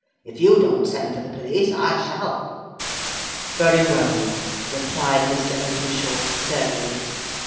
If you don't send for the police, I shall." "Very well," replied Mr. Openshaw, surlily.